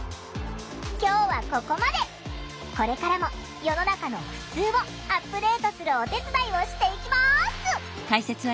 これからも世の中の「ふつう」をアップデートするお手伝いをしていきます。